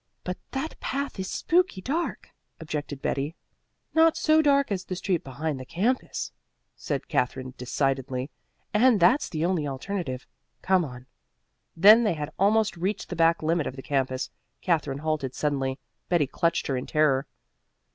"But that path is spooky dark," objected Betty. "Not so dark as the street behind the campus," said Katherine decidedly, "and that's the only alternative. Come on." When they had almost reached the back limit of the campus Katherine halted suddenly. Betty clutched her in terror.